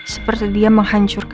seperti dia menghancurkan riki